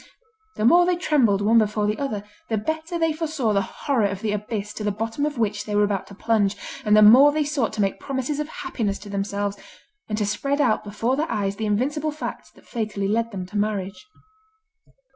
The more they trembled one before the other, the better they foresaw the horror of the abyss to the bottom of which they were about to plunge, and the more they sought to make promises of happiness to themselves, and to spread out before their eyes the invincible facts that fatally led them to marriage.